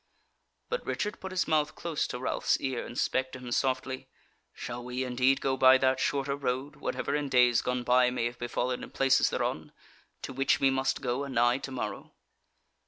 But Richard put his mouth close to Ralph's ear, and spake to him softly: "Shall we indeed go by that shorter road, whatever in days gone by may have befallen in places thereon, to which we must go a nigh tomorrow?"